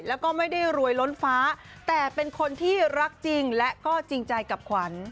แล้วก็ไม่ได้รวยล้นฟ้าแต่เป็นคนที่รักจริงและก็จริงใจกับขวัญ